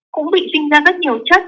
cũng bị sinh ra rất nhiều chất